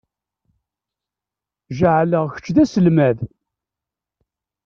Jeɛleɣ kečč d aselmad.